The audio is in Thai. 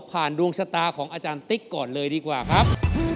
ดวงชะตาของอาจารย์ติ๊กก่อนเลยดีกว่าครับ